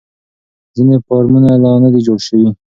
ځینې فارمونه لا نه دي جوړ شوي.